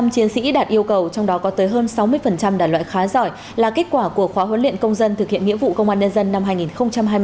một mươi chiến sĩ đạt yêu cầu trong đó có tới hơn sáu mươi đàn loại khá giỏi là kết quả của khóa huấn luyện công dân thực hiện nghĩa vụ công an nhân dân năm hai nghìn hai mươi bốn